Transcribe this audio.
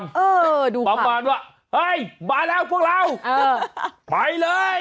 เออดูประมาณว่าเฮ้ยมาแล้วพวกเราไปเลย